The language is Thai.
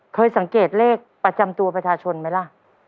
เคยสังเกตเลขประจำตัวประชาชนไหมล่ะ